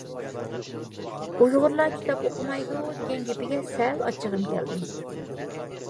«ئۇيغۇرلار كىتاب ئوقۇمايدۇ» دېگەن گېپىگە سەل ئاچچىقىم كەلدى.